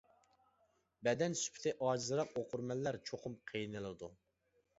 بەدەن سۈپىتى ئاجىزراق ئوقۇرمەنلەر چوقۇم قىينىلىدۇ.